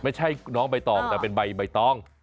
ไม่ใช่น้องใบตองแต่เป็นใบตอง